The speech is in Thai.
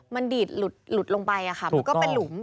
มันดีดหลุดลงไปมันก็เป็นหลุม